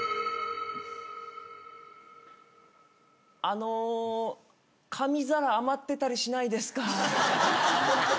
あの紙皿余ってたりしないですか？